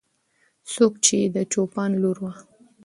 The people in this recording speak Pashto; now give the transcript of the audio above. څوک یې د چوپان لور وه؟